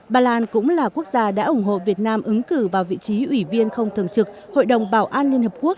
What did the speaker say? bà lan cũng là quốc gia đã ủng hộ việt nam ứng cử vào vị trí ủy viên không thường trực hội đồng bảo an liên hợp quốc